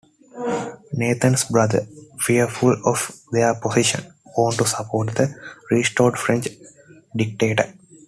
Nathan's brothers, fearful of their positions, want to support the restored French dictator.